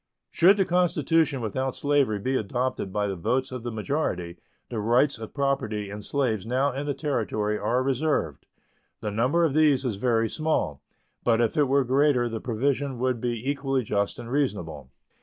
Should the constitution without slavery be adopted by the votes of the majority, the rights of property in slaves now in the Territory are reserved. The number of these is very small, but if it were greater the provision would be equally just and reasonable.